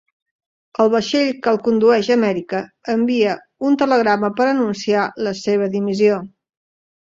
Al vaixell que el condueix a Amèrica, envia un telegrama per anunciar la seva dimissió.